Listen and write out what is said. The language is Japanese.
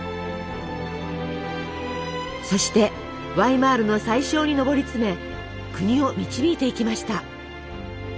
そしてワイマールの宰相に上り詰め国を導いていきました。